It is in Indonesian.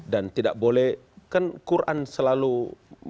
dan tidak boleh kan quran selalu membahas